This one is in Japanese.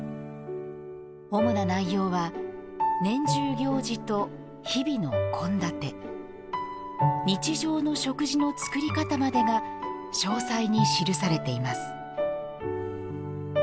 主な内容は年中行事と日々の献立日常の食事の作り方までが詳細に記されています。